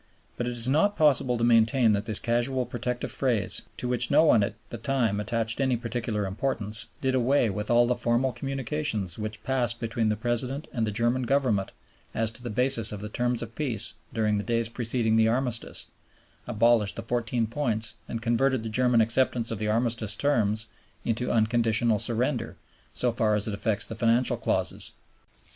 But it is not possible to maintain that this casual protective phrase, to which no one at the time attached any particular importance, did away with all the formal communications which passed between the President and the German Government as to the basis of the Terms of Peace during the days preceding the Armistice, abolished the Fourteen Points, and converted the German acceptance of the Armistice Terms into unconditional surrender, so far as it affects the Financial Clauses.